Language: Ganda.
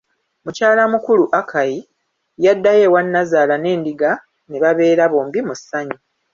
Mukyala mukulu, Akai, yaddayo ewa nazaala n'endiga ne babeera bombi mu ssanyu.